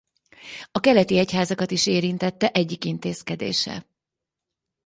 A keleti egyházakat is érintette egyik intézkedése.